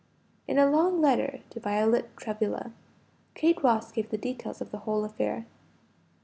In a long letter to Violet Travilla, Kate Ross gave the details of the whole affair.